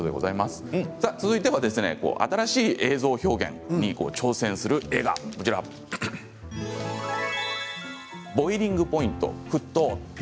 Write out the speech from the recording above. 続いては新しい映像表現に挑戦する映画「ボイリング・ポイント／沸騰」